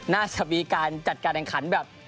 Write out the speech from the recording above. น่าจะมีการจัดการแข่งขันแบบ